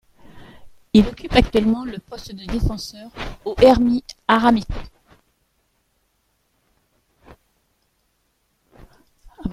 Il occupe actuellement le poste de défenseur au Ermís Aradíppou.